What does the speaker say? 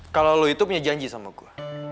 kalau lo itu punya janji sama gue